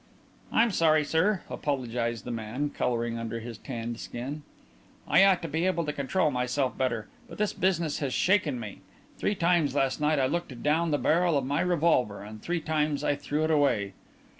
"I'm sorry, sir," apologized the man, colouring under his tanned skin. "I ought to be able to control myself better. But this business has shaken me. Three times last night I looked down the barrel of my revolver, and three times I threw it away....